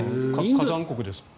火山国ですもんね。